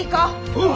おう！